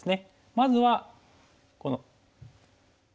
まずはこの。